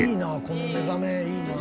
この目覚めいいなあ。